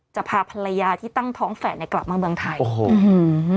จะพาภรรยาที่ตั้งท้องแฝดเนี้ยกลับมาเมืองไทยโอ้โห